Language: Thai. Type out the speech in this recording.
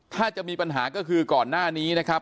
ถ้าจะมีปัญหาก็คือก่อนหน้านี้นะครับ